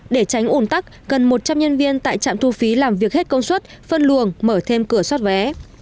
để tránh ủn tắc gần một trăm linh nhân viên tại trạm thu phí làm việc hết công suất phân luồng mở thêm cửa xoát vé